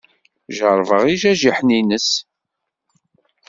Jeṛṛebeɣ ijajiḥen-ines.